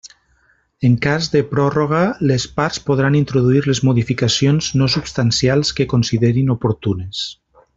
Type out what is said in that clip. En cas de pròrroga, les parts podran introduir les modificacions no substancials que considerin oportunes.